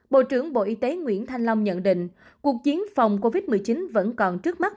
bộ trưởng bộ y tế nguyễn thanh long nhận định cuộc chiến phòng covid một mươi chín vẫn còn trước mắt